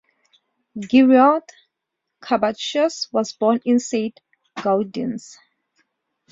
Giraud-Cabantous was born in Saint-Gaudens.